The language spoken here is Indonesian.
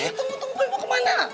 eh tunggu tunggu boy mau kemana